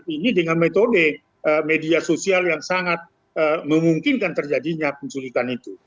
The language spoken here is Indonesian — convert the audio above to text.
ini dengan metode media sosial yang sangat memungkinkan terjadinya penculikan itu